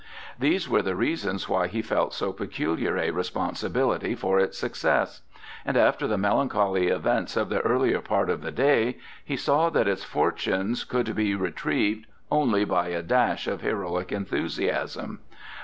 These were the reasons why he felt so peculiar a responsibility for its success; and after the melancholy events of the earlier part of the day, he saw that its fortunes could be retrieved only by a dash of heroic enthusiasm.